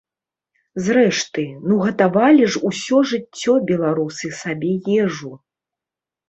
Зрэшты, ну гатавалі ж усё жыццё беларусы сабе ежу!